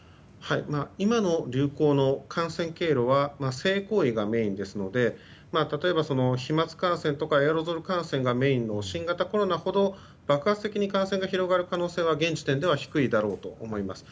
今の流行の感染経路は性行為がメインですので例えば、飛沫感染とかエアロゾル感染がメインの新型コロナほど爆発的に感染が広がる可能性は現時点では低いだろうと思います。